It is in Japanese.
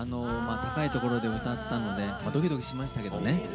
高いところで歌ったのでドキドキしましたけどね。